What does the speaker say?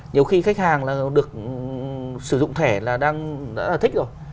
nhiều khi khách hàng là được sử dụng thẻ là đang thích rồi